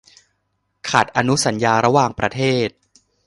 ขัดอนุสัญญาระหว่างประเทศ